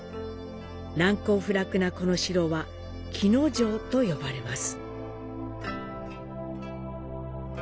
難攻不落なこの城は、鬼ノ城と呼ばれます。